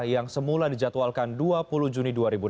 yang semula dijadwalkan dua puluh juni dua ribu enam belas